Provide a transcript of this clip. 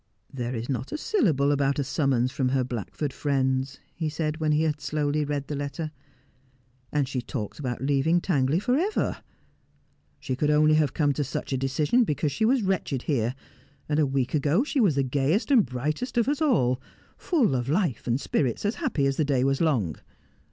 'There is not a syllable about a summons from her Black ford friends,' he said when he had slowly read the letter. 'And she talks about leaving Tangley for ever. She could only have come to such a decision because she was wretched here. And a week ago she was the gayest and brightest of xis all — full of life and spirits, as happy as the day was long.